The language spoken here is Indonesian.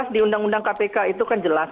di undang undang kpk itu kan jelas